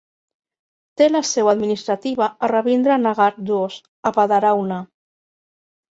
Té la seu administrativa a Ravindra Nagar Dhoos a Padarauna.